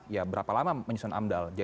ya berapa lama menyusun amdal